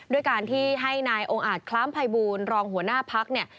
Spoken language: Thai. ด้วยการที่ให้นายองค์อาจคล้ามภัยบูรณรองหัวหน้าพักเนี่ย